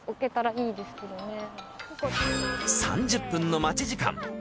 ３０分の待ち時間。